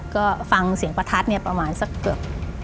ก็ฟังเสียงประทัดเนี่ยประมาณสักเกือบ